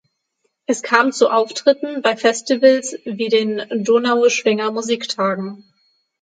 Es kam zu Auftritten bei Festivals wie den Donaueschinger Musiktagen.